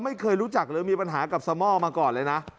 ไม่เคยรู้จักหรือมีปัญหากับสม่อมาก่อนเลยนะ